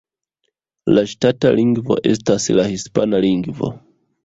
La ŝtata lingvo estas la hispana lingvo.